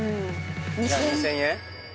じゃあ２０００円？